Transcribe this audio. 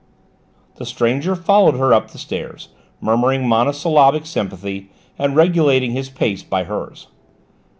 The stranger followed her up the stairs, murmuring monosyllabic sympathy, and regulating his pace by hers.